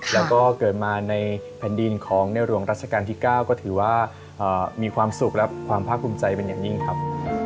แล้วก็เกิดมาในแผ่นดินของในหลวงรัชกาลที่๙ก็ถือว่ามีความสุขและความภาคภูมิใจเป็นอย่างยิ่งครับ